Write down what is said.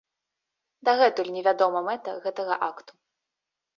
Дагэтуль не вядома мэта гэтага акту.